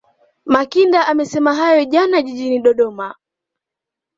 Makinda amesema hayo jana jijini Dodoma